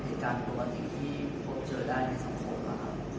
เหตุการณ์ปกติที่พบเจอได้ในสังคมนะครับ